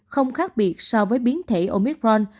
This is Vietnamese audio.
không khác biệt so với biến thể omicron